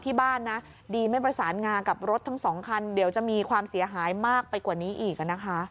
ที่บ้านนะดีไม่ประสานงากับรถทั้งสองคันเดี๋ยวจะมีความเสียหายมากไปกว่านี้อีกนะคะ